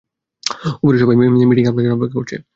উপরে সবাই মিটিংয়ে আপনার জন্য অপেক্ষা করছে।